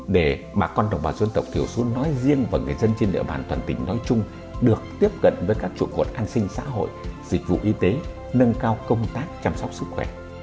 để bà con đồng bào dân tộc thiểu số nói riêng và người dân trên địa bàn toàn tỉnh nói chung được tiếp cận với các trụ cột an sinh xã hội dịch vụ y tế nâng cao công tác chăm sóc sức khỏe